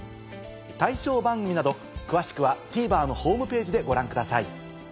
対象番組など詳しくはＴＶｅｒのホームページでご覧ください。